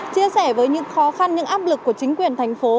chia sẻ với những khó khăn những áp lực của chính quyền thành phố